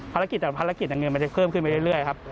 ภารกิจกับภารกิจแล้วเงินมันจะเพิ่มขึ้นไปเรื่อยครับ